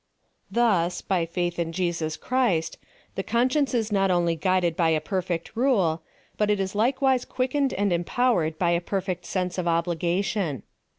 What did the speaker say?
Thus, by faith in Jesus Christ, the conscience is not only guided by a perfect rule, but it is likewise quickened and empowered by a perfect sense of obli gation.